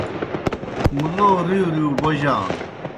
مُلو رِیؤ رِیؤ بوجانو۔